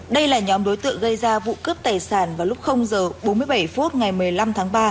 đây là nhóm đối tượng gây ra vụ cướp tài sản vào lúc h bốn mươi bảy phút ngày một mươi năm tháng ba